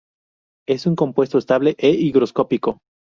Es un compuesto estable e higroscópico.